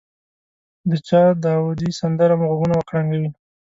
د چا داودي سندره مو غوږونه وکړنګوي.